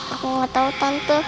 aku nggak tahu tante